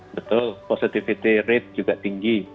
betul positivity rate juga tinggi